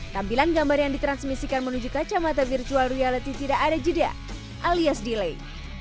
tampilan gambar yang ditransmisikan menuju kacamata virtual reality tidak ada jeda alias delay